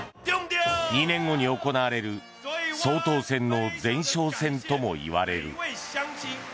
２年後に行われる総統選の前哨戦ともいわれる。